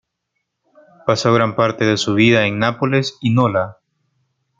Pasó gran parte de su vida en Nápoles y Nola.